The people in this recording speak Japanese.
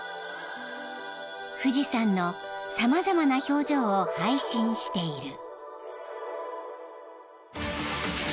［富士山の様々な表情を配信している］